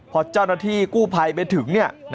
พอเจ้าหน้าที่กู้ภัยไปถึงเนี่ย